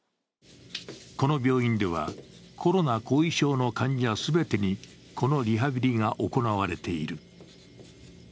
この病院では、コロナ後遺症の患者全てにこのリハビリが行われている。